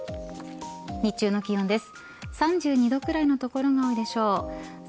日中の気温です。